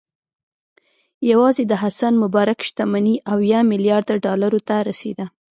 یوازې د حسن مبارک شتمني اویا میلیارده ډالرو ته رسېده.